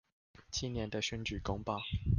今年的選舉公報